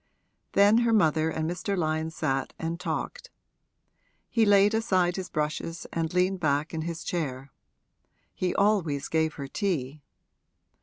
Then her mother and Mr. Lyon sat and talked; he laid aside his brushes and leaned back in his chair; he always gave her tea.